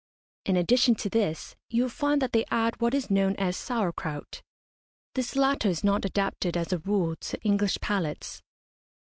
In addition to this you will find that they add what is known as sauer kraut. This latter is not adapted, as a rule, to English palates.